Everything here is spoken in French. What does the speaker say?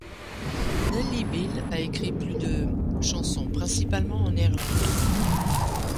Nelly Byl a écrit plus de chansons, principalement en néerlandais.